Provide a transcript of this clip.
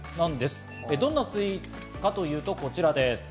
どんなスイーツかというと、こちらです。